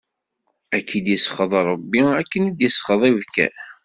Ad k-id-isxeḍ Ṛebbi akken d-isxeḍ ibkan!